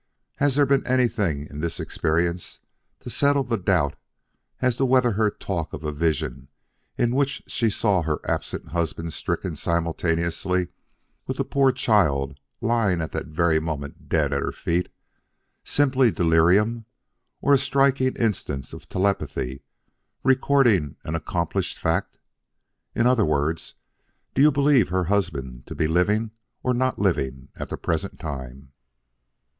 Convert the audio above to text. Has there been anything in this experience to settle the doubt as to whether her talk of a vision in which she saw her absent husband stricken simultaneously with the poor child lying at that very moment dead at her feet simply delirium or a striking instance of telepathy recording an accomplished fact? In other words, do you believe her husband to be living or not living at the present time?"